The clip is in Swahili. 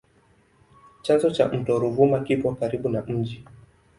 Chanzo cha mto Ruvuma kipo karibu na mji.